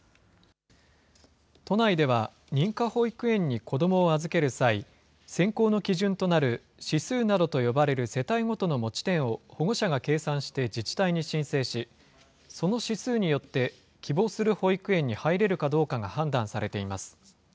都内では認可保育園に子どもを預ける際、選考の基準となる指数などと呼ばれる世帯ごとの持ち点を保護者が計算して自治体に申請し、その指数によって、希望する保育園に入れるかどうかが判断されています。